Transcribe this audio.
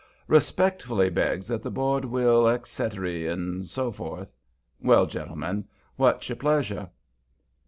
'Respectfully begs that the board will' etcetery and so forth. Well, gentlemen, what's your pleasure?"